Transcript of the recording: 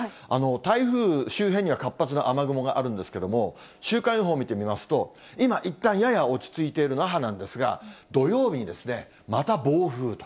台風周辺には、活発な雨雲があるんですけれども、週間予報を見てみますと、今いったん、やや落ち着いている那覇なんですが、土曜日にですね、また暴風雨と。